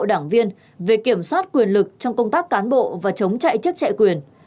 đảng viên về kiểm soát quyền lực trong công tác cán bộ và chống chạy chức chạy quyền